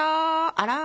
あら？